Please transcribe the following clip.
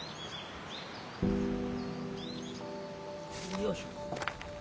よいしょ。